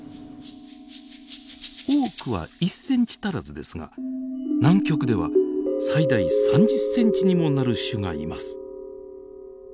多くは１ｃｍ足らずですが南極では最大３０ｃｍにもなる種がいます。